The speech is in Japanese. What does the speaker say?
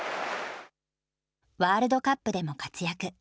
ワールドカップでも活躍。